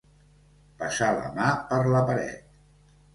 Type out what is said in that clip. Passar la mà per la paret.